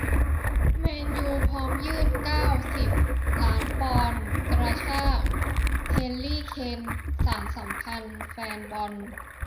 แมนยู พร้อมยื่น เก้าสิบ ล้านปอนด์ กระชาก แฮร์รี่ เคน สานสัมพันธ์แฟนบอล